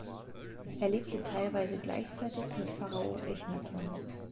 Er lebte teilweise gleichzeitig mit Pharao Echnaton.